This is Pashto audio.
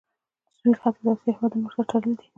د سویل ختیځې اسیا هیوادونه ورسره تړلي دي.